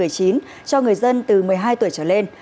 cho người dân từ một mươi hai tuổi trở lên